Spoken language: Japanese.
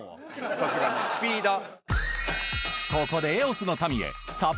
さすがにスピーダー。